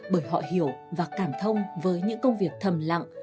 bởi họ hiểu và cảm thông với những công việc thầm lặng